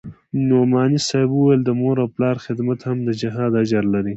نعماني صاحب وويل د مور و پلار خدمت هم د جهاد اجر لري.